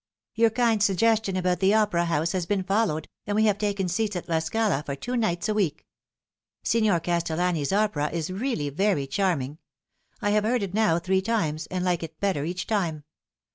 "Your kind suggestion about the Opera House has been followed, and we have taken seats at La Scala for two nights a week. Signer Castellani's opera is really very charming. I have heard it now three times, and liked it better each time.